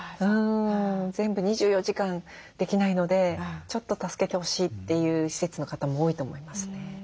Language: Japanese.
全部２４時間できないのでちょっと助けてほしいという施設の方も多いと思いますね。